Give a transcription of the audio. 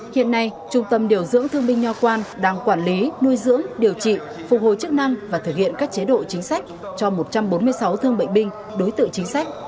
hiện nay trung tâm điều dưỡng thương binh nho quan đang quản lý nuôi dưỡng điều trị phục hồi chức năng và thực hiện các chế độ chính sách cho một trăm bốn mươi sáu thương bệnh binh đối tượng chính sách